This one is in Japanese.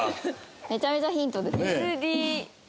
めちゃめちゃヒントですね。